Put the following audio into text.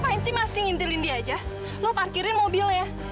apaan sih masih ngintilin dia aja lo parkirin mobilnya